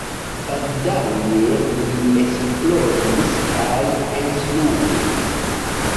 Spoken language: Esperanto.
Baldaŭe li esploris kaj instruis.